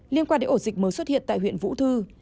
liên quan đến ổ dịch mới xuất hiện tại huyện vũ thư